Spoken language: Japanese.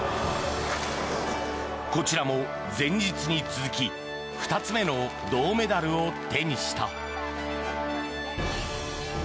こちらも前日に続き２つ目の銅メダルを手にした。